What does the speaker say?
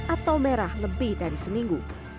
atau merah lebih dari seminggu